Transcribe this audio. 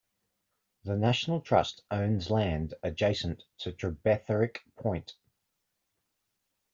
The National Trust owns land adjacent to Trebetherick Point.